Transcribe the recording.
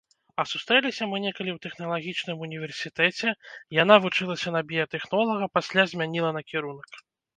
А сустрэліся мы некалі ў тэхналагічным універсітэце, яна вучылася на біятэхнолага, пасля змяніла накірунак.